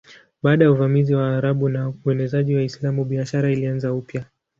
Baada ya uvamizi wa Waarabu na uenezaji wa Uislamu biashara ilianza upya.